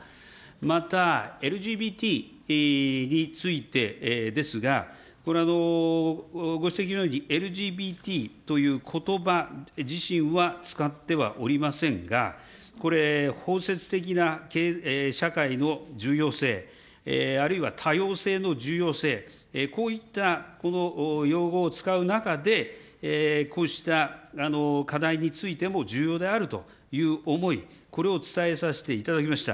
またＬＧＢＴについてですが、これ、ご指摘のように、ＬＧＢＴということば自身は使ってはおりませんが、これ、包摂的な社会の重要性、あるいは多様性の重要性、こういったこの用語を使う中で、こうした課題についても重要であるという思い、これを伝えさせていただきました。